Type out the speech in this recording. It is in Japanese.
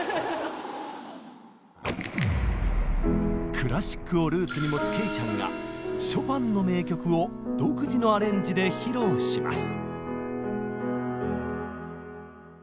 クラシックをルーツに持つけいちゃんがショパンの名曲を独自のアレンジで披露します！